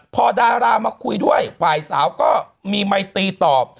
พอดารามาคุยด้วยฝ่ายสาวก็มีไมตีตอบ